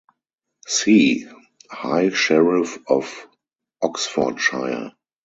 See High Sheriff of Oxfordshire.